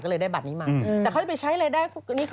ก็เลยได้บัตรนี้มาแต่เขาจะไปใช้รายได้